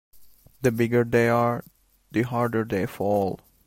The bigger they are the harder they fall.